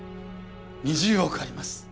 ２０億あります